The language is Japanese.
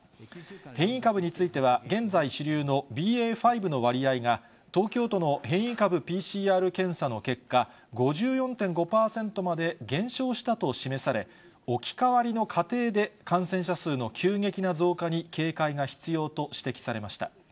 変異株については、現在主流のＢＡ．５の割合が、東京都の変異株ＰＣＲ検査の結果、５４．５％まで減少したと示され、置き換わりの過程で感染者数の急激な増加に警戒が必要と指摘されました。